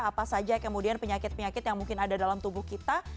apa saja kemudian penyakit penyakit yang mungkin ada dalam tubuh kita